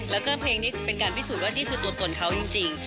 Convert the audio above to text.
แล้วก็เพลงนี้เป็นการพิสูจน์ว่านี่คือตัวตนเขาจริง